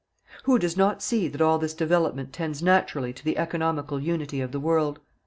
Who does not see that all this development tends naturally to the economical unity of the world.